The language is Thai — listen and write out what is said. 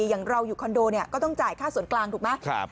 อย่างเราอยู่คอนโดเนี่ยก็ต้องจ่ายค่าส่วนกลางถูกไหม